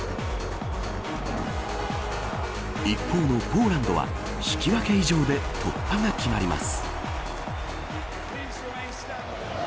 一方のポーランドは引き分け以上で突破が決まります。